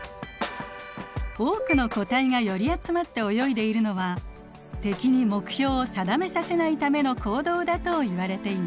多くの個体が寄り集まって泳いでいるのは敵に目標を定めさせないための行動だといわれています。